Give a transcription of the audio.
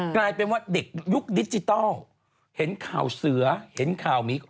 กลายเป็นว่าเด็กยุคดิจิทัลเห็นข่าวเสือเห็นข่าวมี